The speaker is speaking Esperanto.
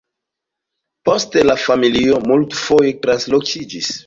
Poste la familio multfoje translokiĝis.